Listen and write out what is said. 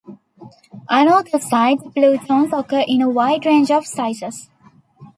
Anorthosite plutons occur in a wide range of sizes.